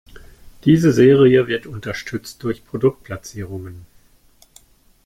Diese Serie wird unterstützt durch Produktplatzierungen.